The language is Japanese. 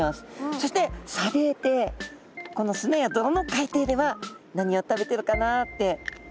そして砂泥底この砂や泥の海底では何を食べてるかなって。